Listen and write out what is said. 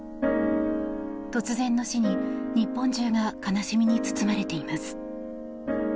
突然の死に、日本中が悲しみに包まれています。